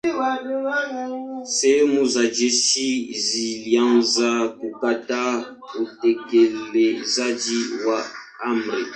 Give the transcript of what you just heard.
Sehemu za jeshi zilianza kukataa utekelezaji wa amri.